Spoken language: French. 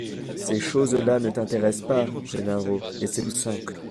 Ces choses-là ne t’intéressent pas, Gennaro, et c’est tout simple.